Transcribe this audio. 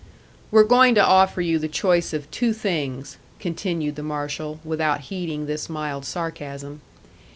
"We're going to offer you the choice of two things," continued the marshal, without heeding this mild sarcasm.